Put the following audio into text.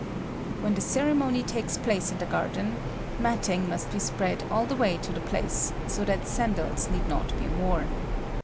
When the ceremony takes place in the garden, matting must be spread all the way to the place, so that sandals need not be worn.